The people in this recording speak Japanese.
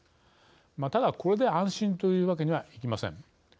ただ、これで安心というわけにはいきません。